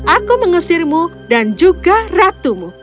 aku mengusirmu dan juga ratumu